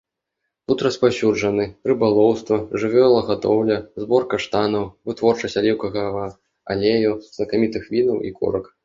Тут распаўсюджаны рыбалоўства, жывёлагадоўля, збор каштанаў, вытворчасць аліўкавага алею, знакамітых вінаў і корак.